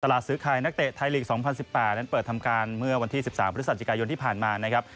ซื้อขายนักเตะไทยลีก๒๐๑๘นั้นเปิดทำการเมื่อวันที่๑๓พฤศจิกายนที่ผ่านมานะครับ